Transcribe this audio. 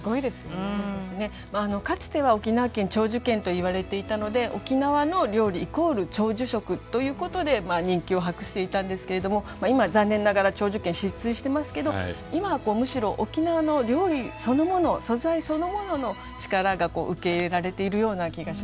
かつては沖縄県長寿県といわれていたので沖縄の料理イコール長寿食ということで人気を博していたんですけれども今は残念ながら長寿県失墜してますけど今はむしろ沖縄の料理そのもの素材そのものの力が受け入れられているような気がしますよね。